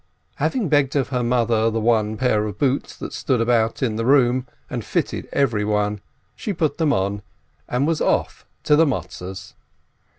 Having begged of her mother the one pair of boots that stood about in the room and fitted everyone, she put them on, and was off to the Matzes.